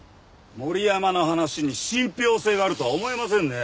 森山の話に信憑性があるとは思えませんね。